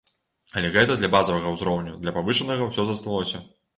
Але гэта для базавага ўзроўню, для павышанага ўсё засталося.